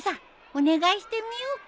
お願いしてみようか。